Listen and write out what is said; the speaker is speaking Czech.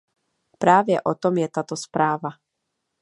Právě o tom je tato zpráva.